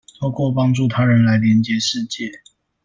透過幫助他人來連結世界